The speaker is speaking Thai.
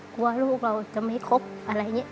กลัวลูกเราจะไม่ครบอะไรอย่างนี้